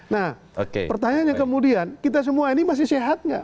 nah pertanyaannya kemudian kita semua ini masih sehat nggak